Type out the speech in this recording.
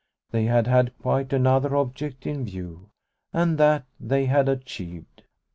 They had had quite another object in view, and that they had achieved.